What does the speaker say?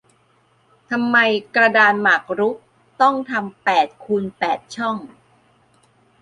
ทำไมกระดานหมากรุกต้องทำแปดคูณแปดช่อง